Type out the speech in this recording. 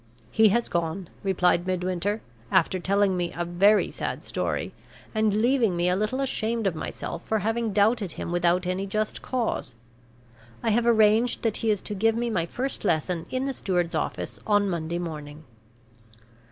"He has gone," replied Midwinter, "after telling me a very sad story, and leaving me a little ashamed of myself for having doubted him without any just cause. I have arranged that he is to give me my first lesson in the steward's office on Monday morning."